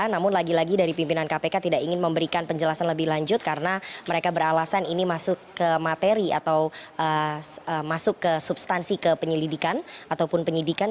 namun lagi lagi dari pimpinan kpk tidak ingin memberikan penjelasan lebih lanjut karena mereka beralasan ini masuk ke materi atau masuk ke substansi ke penyelidikan ataupun penyidikan